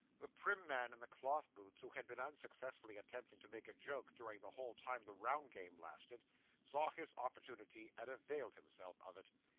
The prim man in the cloth boots, who had been unsuccessfully attempting to make a joke during the whole time the round game lasted, saw his opportunity, and availed himself of it.